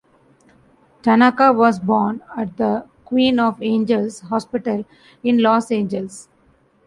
Tanaka was born at the Queen of Angels Hospital in Los Angeles.